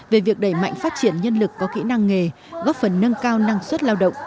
về việc đẩy mạnh phát triển nhân lực có kỹ năng nghề góp phần nâng cao năng suất lao động